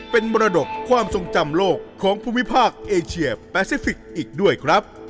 เป็นมรดกความทรงจำโลกของภูมิภาคเอเชียแปซิฟิกส์อีกด้วยครับ